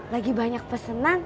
lagi banyak pesenan